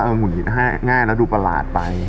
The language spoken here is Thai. เออหุ่นหญิงห้ายแล้วดูประหลาดไป